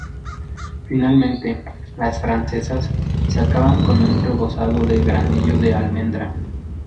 Finalmente, las "francesas" se acaban con un rebozado de granillo de almendra.